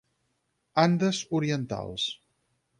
Andes orientals.